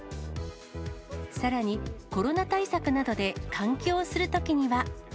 さらにコロナ対策などで換気をするときには。